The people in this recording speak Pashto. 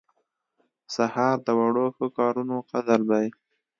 سهار د وړو ښه کارونو قدر دی.